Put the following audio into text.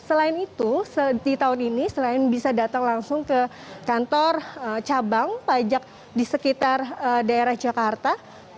selain itu di tahun ini selain bisa datang langsung ke kantor cabang pajak di sekitar daerah jakarta